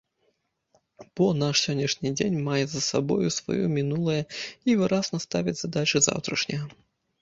Бо наш сённяшні дзень мае за сабою сваё мінулае і выразна ставіць задачы заўтрашняга.